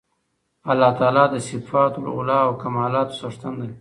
الله تعالی د صفات العُلی او کمالاتو څښتن دی